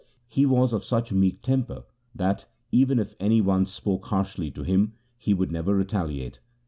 He was of such meek temper that, even if any one spoke harshly to him, he would never retaliate.